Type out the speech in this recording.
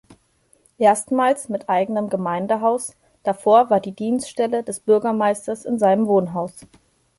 Erstmals mit eigenem Gemeindehaus, davor war die Dienststelle des Bürgermeisters in seinem Wohnhaus.